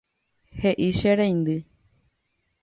He'i che reindy